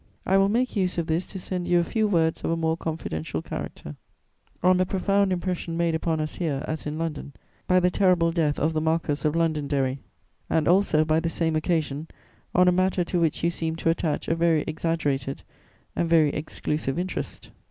I will make use of this to send you a few words of a more confidential character on the profound impression made upon us here, as in London, by the terrible death of the Marquess of Londonderry, and also, by the same occasion, on a matter to which you seem to attach a very exaggerated and very exclusive interest.